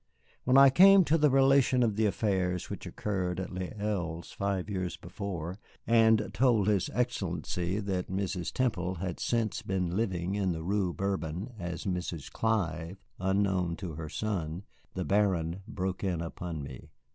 When I came to the relation of the affairs which occurred at Les Îles five years before and told his Excellency that Mrs. Temple had since been living in the Rue Bourbon as Mrs. Clive, unknown to her son, the Baron broke in upon me.